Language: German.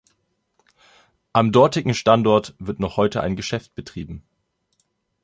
Am dortigen Standort wird noch heute ein Geschäft betrieben.